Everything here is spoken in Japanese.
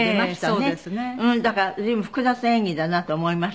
だから随分複雑な演技だなと思いました。